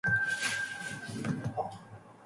Colicchio has written three cookbooks.